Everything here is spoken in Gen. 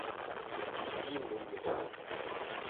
Vivi nu me.